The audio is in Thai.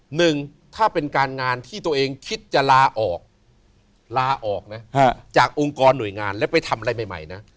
หนึ่งถ้าเป็นการงานที่ตัวเองคิดจะลาออกลาออกนะจากองค์กรหน่วยงานแล้วไปทำอะไรใหม่นะ